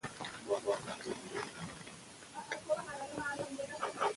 بادي انرژي د افغانستان د سیلګرۍ د صنعت یوه برخه ده.